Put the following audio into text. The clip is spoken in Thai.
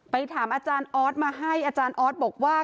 ถามอาจารย์ออสมาให้อาจารย์ออสบอกว่า